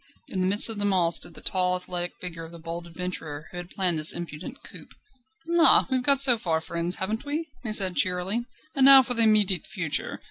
In the midst of them all stood the tall, athletic figure of the bold adventurer who had planned this impudent coup. "La! we've got so far, friends, haven't we?" he said cheerily, "and now for the immediate future.